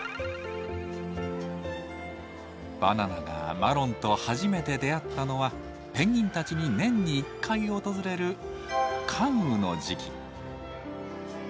バナナがマロンと初めて出会ったのはペンギンたちに年に一回訪れる換羽の時期。